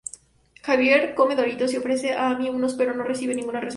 Xavier come Doritos y ofrece a Amy unos, pero no recibe ninguna respuesta.